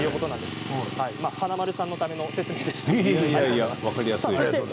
華丸さんのための説明でした。